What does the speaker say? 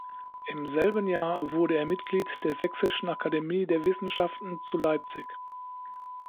Im selben Jahr wurde er Mitglied der Sächsischen Akademie der Wissenschaften zu Leipzig.